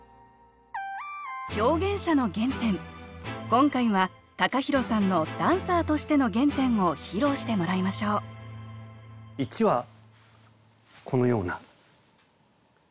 今回はＴＡＫＡＨＩＲＯさんのダンサーとしての原点を披露してもらいましょう１はこのような段階。